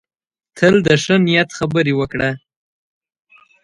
تل د ښه نیت خبرې وکړه.